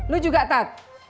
lo juga tat